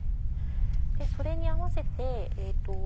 それに合わせて。